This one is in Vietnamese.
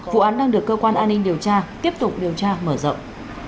vụ án đang được cơ quan an ninh điều tra tiếp tục điều tra mở rộng